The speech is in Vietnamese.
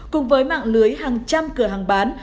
cùng với mạng lưới hàng trăm cửa hàng bán